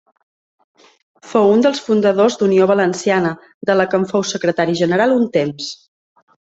Fou un dels fundadors d'Unió Valenciana, de la que en fou secretari general un temps.